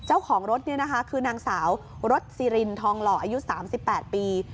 เจ้าของรถเนี่ยนะคะคือนางสาวรถซีรินทองหล่ออายุสามสิบแปดปี